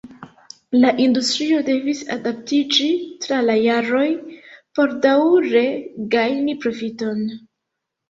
La industrio devis adaptiĝi tra la jaroj por daŭre gajni profiton.